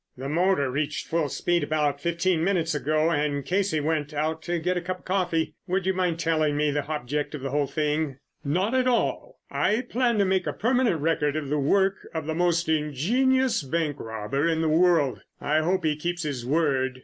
"The motor reached full speed about fifteen minutes ago and Casey went out to get a cup of coffee. Would you mind telling me the object of the whole thing?" "Not at all. I plan to make a permanent record of the work of the most ingenious bank robber in the world. I hope he keeps his word."